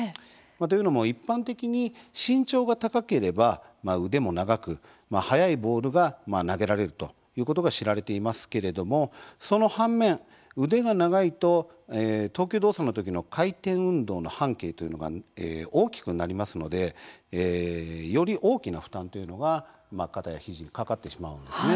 というのも、一般的に身長が高ければ腕も長く速いボールが投げられるということが知られていますけれどもその反面、腕が長いと投球動作のときの回転運動の半径というのが大きくなりますのでより大きな負担というのが肩や肘にかかってしまうんですね。